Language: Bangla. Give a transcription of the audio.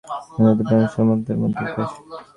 যত প্রাণী সম্ভব, তার মধ্যে মানুষই শ্রেষ্ঠ।